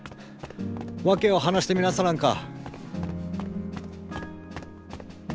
訳を話してみなさらんか。